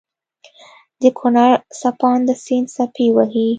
دکونړ څپانده سيند څپې وهي